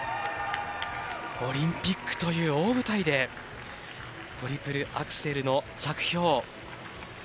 オリンピックという大舞台でトリプルアクセルの着氷。